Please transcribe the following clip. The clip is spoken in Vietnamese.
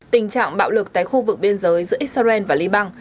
tình trạng bạo lực tại khu vực biên giới giữa israel và liban